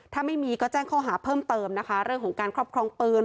ถ้าไม่มีก็แจ้งข้อหาเพิ่มเติมนะคะเรื่องของการครอบครองปืน